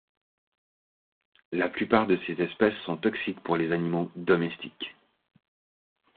La plupart de ces espèces sont toxiques pour les animaux domestiques.